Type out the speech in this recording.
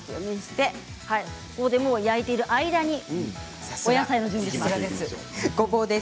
焼いている間にお野菜の準備をします。